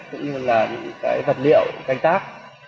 là những cái vật liệu canh tác